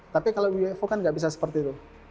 tapi kalau ufo kan nggak bisa seperti itu